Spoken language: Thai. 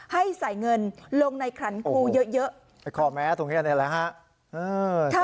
ให้ใส่เงินลงในขันครูเยอะเยอะไอ้ข้อแม้ตรงเนี้ยนี่แหละฮะ